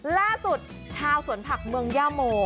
ล่าสุดชาวสวนผักเมืองย่าโม